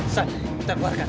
sani kita keluar kan